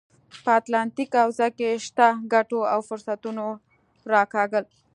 په اتلانتیک حوزه کې شته ګټو او فرصتونو راکاږل.